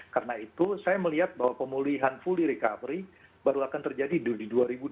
karena itu saya melihat bahwa pemulihan fully recovery baru akan terjadi di dua ribu dua puluh satu